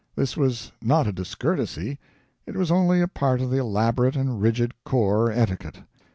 This was not a discourtesy; it was only a part of the elaborate and rigid corps etiquette.